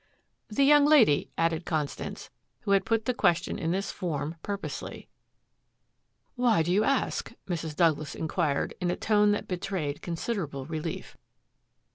"The young lady," added Constance, who had put the question in this form purposely. "Why do you ask?" Mrs. Douglas inquired in a tone that betrayed considerable relief.